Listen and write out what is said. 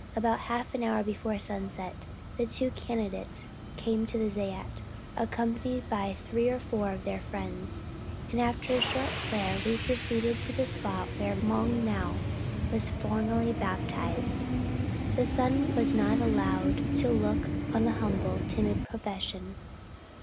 About half an hour before sunset the two candidates came to the zayat, accompanied by three or four of their friends; and after a short prayer we proceeded to the spot where Moung Nau was formerly baptized. The sun was not allowed to look on the humble, timid profession.